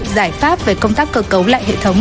giải pháp về công tác cơ cấu lại hệ thống